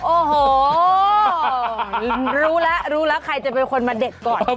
โอ้โหรู้แล้วรู้แล้วใครจะเป็นคนมาเด็ดก่อน